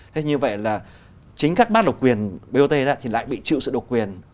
thế như vậy là chính các bác độc quyền bot thì lại bị chịu sự độc quyền